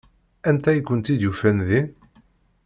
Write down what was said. Anta i kent-id-yufan din?